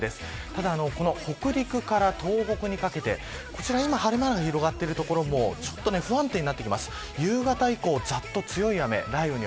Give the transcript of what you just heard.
ただ、北陸から東北にかけてこちらは今、晴れ間が広がっている所もちょっと不安定になってきます。